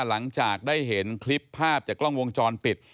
หลังจากได้เห็นคลิปภาพจากกล้องวงจรปิด